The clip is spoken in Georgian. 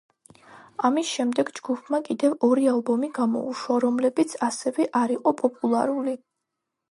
ამის შემდეგ ჯგუფმა კიდევ ორი ალბომი გამოუშვა, რომლებიც ასევე არ იყო პოპულარული.